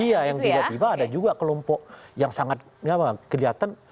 iya yang tiba tiba ada juga kelompok yang sangat kelihatan